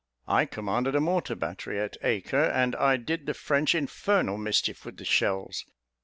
I commanded a mortar battery at Acre, and I did the French infernal mischief with the shells.